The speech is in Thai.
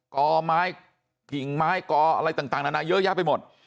กอไม้กิ่งไม้กออะไรต่างนานาเยอะแยะไปหมด